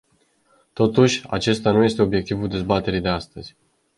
Totuși, acesta nu este obiectul dezbaterii de astăzi.